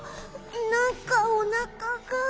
なんかおなかが。